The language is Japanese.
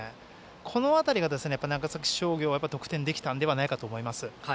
この辺りが、長崎商業得点できたのではないかと思います。